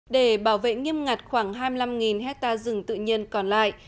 để bảo vệ nghiêm ngặt khoảng hai mươi năm hectare rừng tự nhiên còn lại